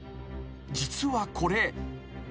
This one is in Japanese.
実はこれ］